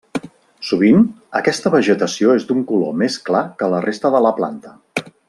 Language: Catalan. Sovint, aquesta vegetació és d'un color més clar que la resta de la planta.